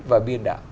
và biên đạo